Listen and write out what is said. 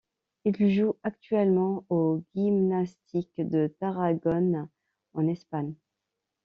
Il joue actuellement au Gimnàstic de Tarragone, en Espagne.